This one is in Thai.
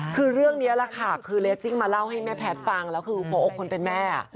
คือเรื่องนี้แหละค่ะคือเลสซิ่งมาเล่าให้แม่แพทย์ฟังแล้วคือหัวอกคนเป็นแม่